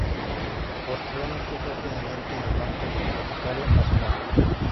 Posteriormente fue gerente del Banco Hipotecario Nacional.